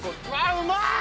うまい！